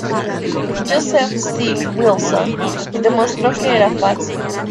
Joseph C. Wilson demostró que era falso.